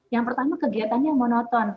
yang pertama kegiatannya monoton